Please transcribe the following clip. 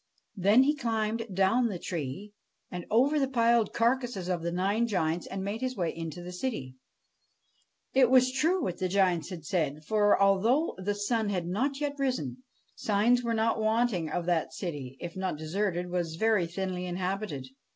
Then he climbed down the tree, and over the piled carcases of the nine giants, and made his way into the city. 101 BASHTCHELIK It was true what the giants had said ; for, although the sun had not yet risen, signs were not wanting that the city, if not deserted, was very thinly inhabited.